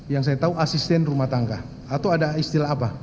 yang saya tahu asisten rumah tangga atau ada istilah apa